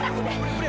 mas pergi ke sana